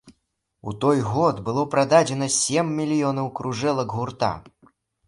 У той год было прададзена сем мільёнаў кружэлак гурта.